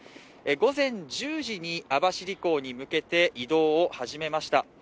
午前１０時に網走港に向けて移動を始めました。